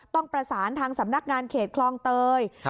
ต้องประสานทางสำนักงานเขตคลองเตย